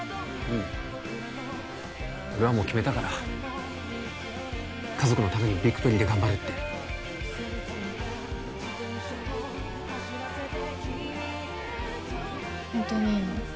うん俺はもう決めたから家族のためにビクトリーで頑張るってホントにいいの？